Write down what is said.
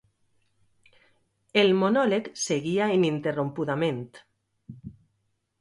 El monòleg seguia ininterrompudament.